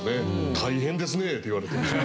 大変ですねって言われて。